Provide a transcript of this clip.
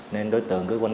để có được chuyện